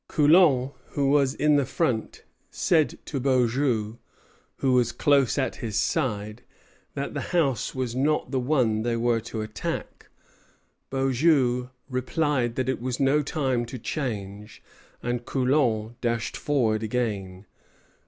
Coulon, who was in the front, said to Beaujeu, who was close at his side, that the house was not the one they were to attack. Beaujeu replied that it was no time to change, and Coulon dashed forward again.